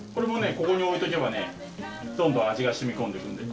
ここに置いとけばどんどん味が染み込んでくるんで。